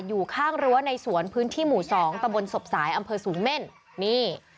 อยู่ข้างรั้วในสวนพื้นที่หมู่สองตะบนศพสายอำเภอสูงเม่นนี่